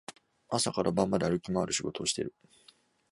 朝から晩まで歩き回る仕事をしている